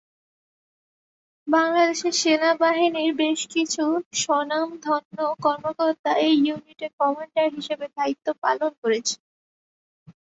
বাংলাদেশ সেনাবাহিনীর বেশকিছু স্বনামধন্য কর্মকর্তা এই ইউনিটের কমান্ডার হিসেবে দ্বায়িত্ব পালন করেছেন।